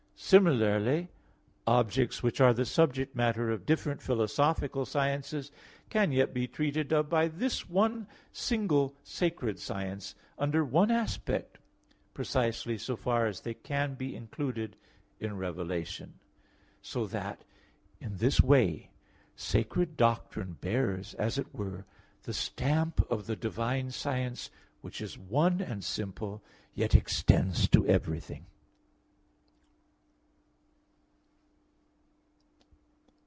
Similarly, objects which are the subject matter of different philosophical sciences can yet be treated of by this one single sacred science under one aspect precisely so far as they can be included in revelation. So that in this way, sacred doctrine bears, as it were, the stamp of the divine science which is one and simple, yet extends to everything.